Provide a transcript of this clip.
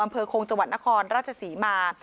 อำเภอคงจนครรัชศรีมา